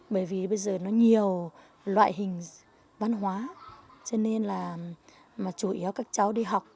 bởi vì bây giờ nó nhiều loại hình văn hóa cho nên là mà chủ yếu các cháu đi học